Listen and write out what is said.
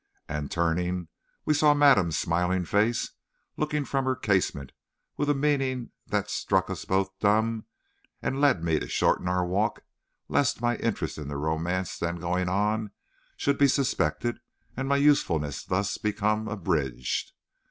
And, turning, we saw madame's smiling face looking from her casement with a meaning that struck us both dumb and led me to shorten our walk lest my interest in the romance then going on should be suspected and my usefulness thus become abridged.